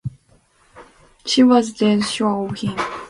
She was dead sure of him.